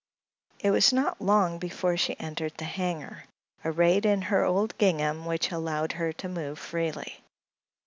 It was not long before she entered the hangar, arrayed in her old gingham, which allowed her to move freely.